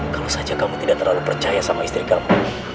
kalau saja kamu tidak terlalu percaya sama istri kamu